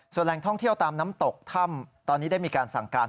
ส่วนแหล่งท่องเที่ยวตามน้ำตกถ้ำตอนนี้ได้มีการสั่งการ